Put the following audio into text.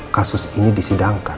kasus ini disidangkan